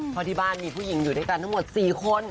เพราะที่บ้านมีผู้หญิงอยู่ด้วยกันทั้งหมด๔คน